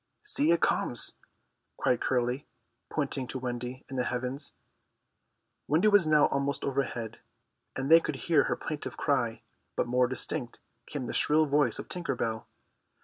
"See, it comes!" cried Curly, pointing to Wendy in the heavens. Wendy was now almost overhead, and they could hear her plaintive cry. But more distinct came the shrill voice of Tinker Bell.